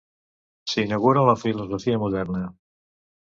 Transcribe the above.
S'inaugura la filosofia moderna.